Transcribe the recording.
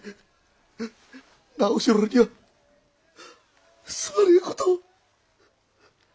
直次郎にはすまねえことを！